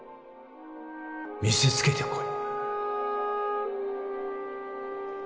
見せつけてこい